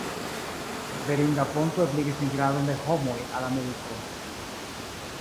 Beringa ponto ebligis migradon de homoj al Ameriko.